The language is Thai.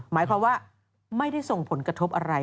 หมายความว่าไม่ได้ส่งผลกระทบอะไร